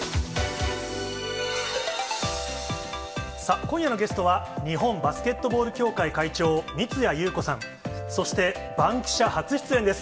今夜のゲストは、日本バスケットボール協会会長、三屋裕子さん、そして、バンキシャ初出演です。